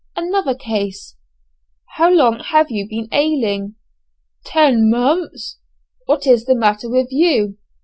Another case "How long have you been ailing?" "Ten months." "What is the matter with you?"